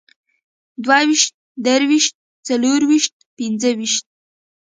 دوهويشت، دريويشت، څلرويشت، پينځهويشت